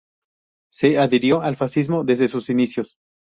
Se adhirió al fascismo desde sus inicios.